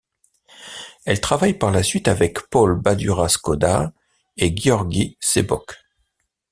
Elle travaille par la suite avec Paul Badura-Skoda et György Sebök.